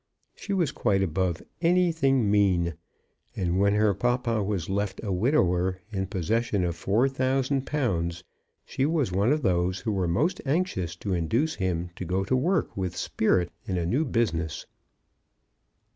She was quite above anything mean, and when her papa was left a widower in possession of four thousand pounds, she was one of those who were most anxious to induce him to go to work with spirit in a new business.